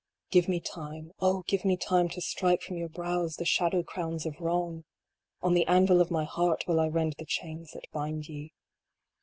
Give me time oh give me time to strike from your brows the shadow crowns of Wrong ! On the anvil of my heart will I rend the chains that bind ye.